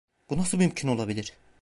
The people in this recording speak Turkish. Bu nasıl mümkün olabilir?